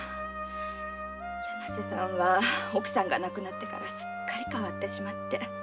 柳瀬さんは奥さんが亡くなってすっかり変わってしまって。